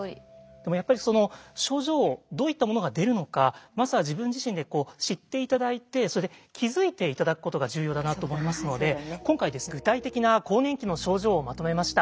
でもやっぱりその症状をどういったものが出るのかまずは自分自身で知って頂いてそれで気付いて頂くことが重要だなと思いますので今回具体的な更年期の症状をまとめました。